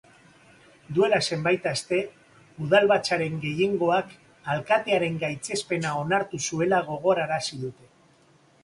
Duela zenbait aste udalbatzaren gehiengoak alkatearen gaitzespena onartu zuela gogorarazi dute.